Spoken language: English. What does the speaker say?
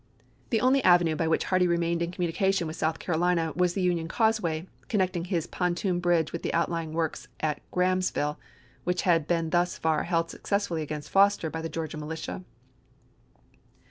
The only avenue by which Hardee remained in communica tion with South Carolina was the Union causeway, connecting his pontoon bridge with the outlying works at Grahamsville, which had been thus far held successfully against Foster by the Georgia militia.